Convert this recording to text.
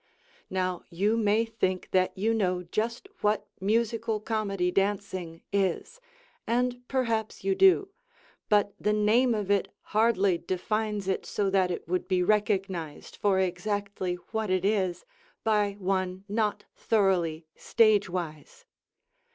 Now you may think that you know just what Musical Comedy Dancing is, and perhaps you do, but the name of it hardly defines it so that it would be recognized for exactly what it is by one not thoroughly stage wise.